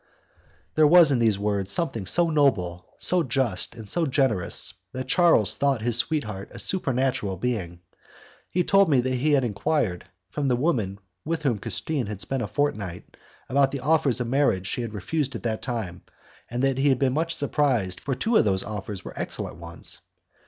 There was in these words something so noble, so just, and so generous, that Charles thought his sweetheart a supernatural being. He told me that he had enquired, from the woman with whom Christine had spent a fortnight, about the offers of marriage she had refused at that time, and that he had been much surprised, for two of those offers were excellent ones.